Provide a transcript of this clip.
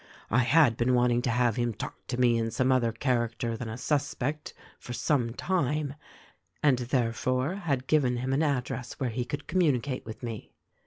"I had been wanting to have him talk to me in some other character than a suspect, for some time; and therefore had given him an address where he could communicate with me.